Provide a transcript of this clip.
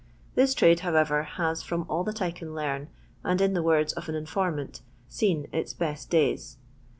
This trade, however, has from all that 1 con learn, and in the words of an informant, "seen its best days."